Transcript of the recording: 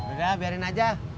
udah biarin aja